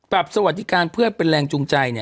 ปรับสวัสดิการเพื่อให้เป็นแรงจูงใจ